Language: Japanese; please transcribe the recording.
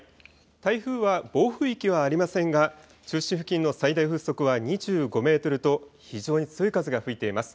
台風は暴風域はありませんが中心付近の最大風速は２５メートルと非常に強い風が吹いています。